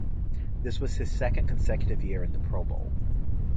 This was his second consecutive year in the Pro Bowl.